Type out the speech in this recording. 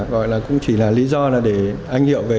gọi là cũng chỉ là lý do để anh hiệu về